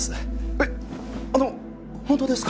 えっあの本当ですか？